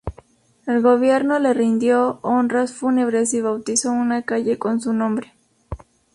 El gobierno le rindió honras fúnebres y bautizó una calle con su nombre.